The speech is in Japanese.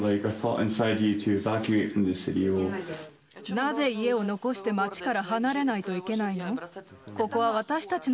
なぜ家を残して街から離れないといけないの？